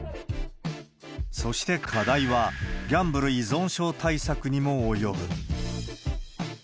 そして課題は、ギャンブル依存症対策にも及ぶ。